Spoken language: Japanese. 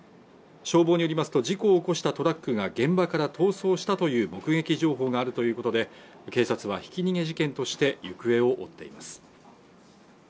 消防によりますと事故を起こしたトラックが現場から逃走したという目撃情報があるということで警察はひき逃げ事件として行方を追っています